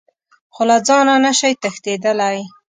خو له ځانه نه شئ تښتېدلی .